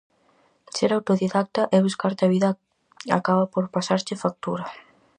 Ser autodidacta e buscarte a vida acaba por pasarche factura.